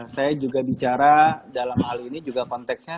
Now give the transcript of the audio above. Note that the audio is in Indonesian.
saya juga bicara dalam hal ini juga konteksnya